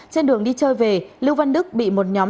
trên đường đi chơi về lưu văn đức bị một nhóm